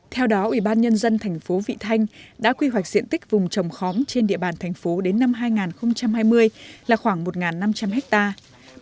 theo đó ủy ban nhân dân thành phố vị thanh đã quy hoạch diện tích vùng trồng khóm trên địa bàn thành phố đến năm hai nghìn hai mươi là khoảng một năm trăm linh hectare